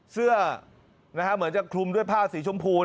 เสื้อเหมือนจะคลุมด้วยผ้าสีชมพู